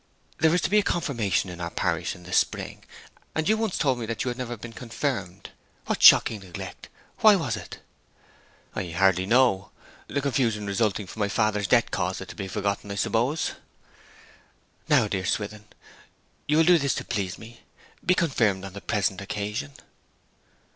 There is to be a confirmation in our parish in the spring, and you once told me that you had never been confirmed. What shocking neglect! Why was it?' 'I hardly know. The confusion resulting from my father's death caused it to be forgotten, I suppose.' 'Now, dear Swithin, you will do this to please me, be confirmed on the present occasion?'